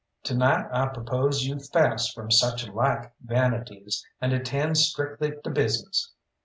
To night I propose you fast from such like vanities, and attend strictly to business.